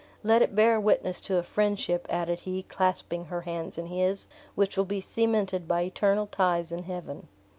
"Let it bear witness to a friendship," added he, clasping her hands in his, "which will be cemented by eternal ties in heaven."